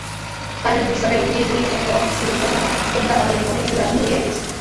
কাজী নজরুল ইসলামের অগ্নিস্ফুলিঙ্গসম কবিতা বাঙালি মনে বিদ্রোহের আগুন ঝরিয়ে দিয়েছে।